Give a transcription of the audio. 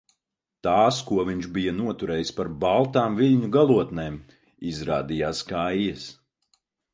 Tās, ko viņš bija noturējis par baltām viļņu galotnēm, izrādījās kaijas.